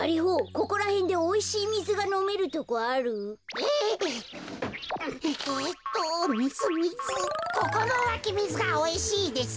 ここのわきみずがおいしいです。